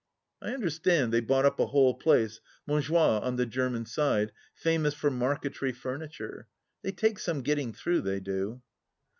I understand they bought up a whole place — ^Montjoie on the German side, famous for marquetry furniture. They take some getting through, they do.